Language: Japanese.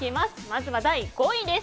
まずは第５位。